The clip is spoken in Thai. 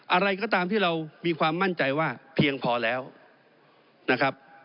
อะไรก็ตามที่เรามีความมั่นใจว่าเพียงพอแล้วนะครับ